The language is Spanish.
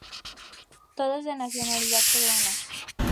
Todos de nacionalidad peruana.